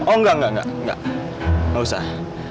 oh enggak enggak enggak enggak usah